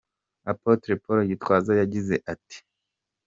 Apotre Paul Gitwaza yagize ati: .